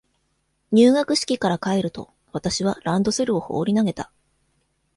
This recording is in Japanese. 入学式から帰ると、私はランドセルを放り投げた。